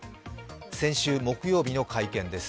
先週木曜日の会見です。